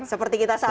seperti kita saat ini